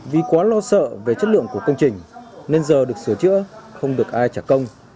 vì quá lo sợ về chất lượng của công trình nên giờ được sửa chữa không được ai trả công